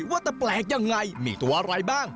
ว่าจะแปลกยังไงมีตัวอะไรบ้าง